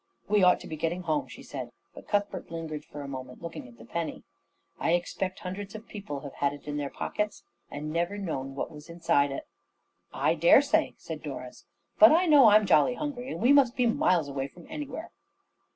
"We ought to be getting home," she said, but Cuthbert lingered for a moment, looking at the penny. "I expect hundreds of people," he said, "have had it in their pockets and never known what was inside it." "I daresay," said Doris, "but I know I'm jolly hungry, and we must be miles away from anywhere."